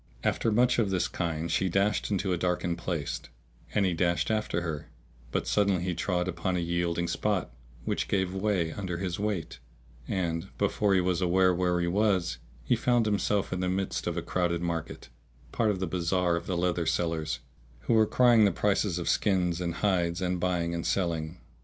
After much of this kind she dashed into a darkened place, and he dashed after her; but suddenly he trod upon a yielding spot, which gave way under his weight; and, before he was aware where he was, he found himself in the midst of a crowded market, part of the bazar of the leather sellers who were crying the prices of skins and hides and buying and selling.